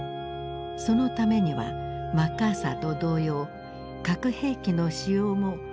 そのためにはマッカーサーと同様核兵器の使用もやむなしと考えていた。